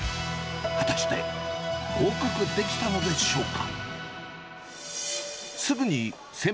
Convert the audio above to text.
果たして合格できたのでしょうか。